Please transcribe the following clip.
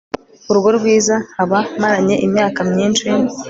urugo rwiza nkaba maranye imyaka myinshi